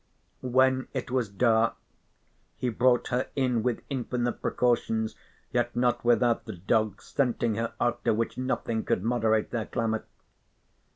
When it was dark he brought her in with infinite precautions, yet not without the dogs scenting her after which nothing could moderate their clamour.